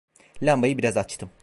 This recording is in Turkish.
Lambayı biraz açtım.